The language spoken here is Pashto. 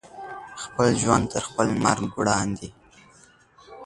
خپل ژوند تر خپل مرګ وړاندې